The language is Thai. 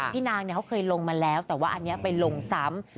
นางเขาเคยลงมาแล้วแต่ว่าอันนี้ไปลงซ้ำ